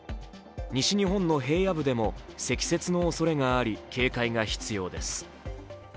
西日本の平野部でも、積雪のおそれがあり、警戒が必要です。